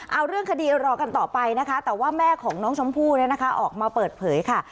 เอาเรื่องคดีรอกันต่อไปนะคะแต่ว่าแม่ของน้องชมพู่เนี่ยนะคะออกมาเปิดเผยค่ะ